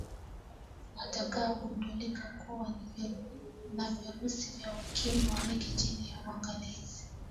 watakao gundulika kuwa na virusi vya ukimwi waweke chini ya uangalizi